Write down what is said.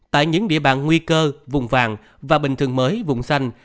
tại những địa bàn nguy cơ vùng vàng và bình thường mới vùng xanh